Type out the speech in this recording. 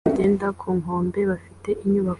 Abantu benshi bagenda ku nkombe bafite inyubako inyuma